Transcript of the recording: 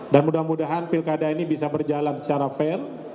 dan mudah mudahan pilkada ini bisa berjalan secara fail